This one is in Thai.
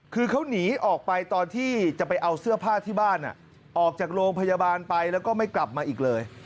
คือเขาหนีออกไปตอนที่จะไปเอาเสื้อผ้าที่บ้านออกจากโรงพยาบาลไปแล้วก็ไม่กลับมาอีกเลย